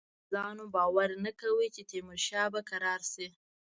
انګرېزانو باور نه کاوه چې تیمورشاه به کرار شي.